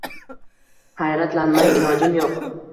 hayratlanmay ilojim yo’q.